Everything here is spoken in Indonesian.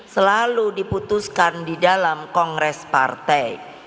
selalu diputuskan di dalam kongres partai